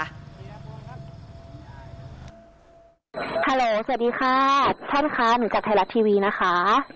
ฮัลโหลสวัสดีค่ะท่านคะหนูจัดไทยรัฐทีวีนะคะ